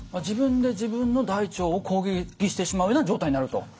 自分で自分の大腸を攻撃してしまうような状態になると。